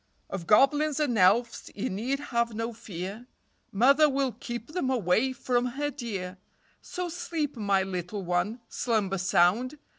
Of goblins and elfs ye need have no fear, Mother will keep them away from her dear So sleep, my little one, Slumber sound.